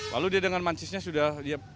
lalu dia dengan mansisnya sudah